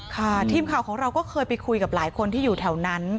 ค่ะทีมข่าวของเราก็เคยไปคุยกับหลายคนที่อยู่แถวนั้น